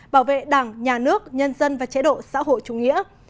bảo vệ đảng nhà nước nhân dân và chế độ xã hội chủ nghĩa